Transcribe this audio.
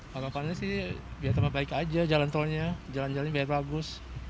harapannya sih biar tambah baik aja jalan tolnya jalan jalannya biar bagus